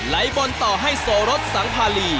ไล่บอลต่อให้โสรสสังพารี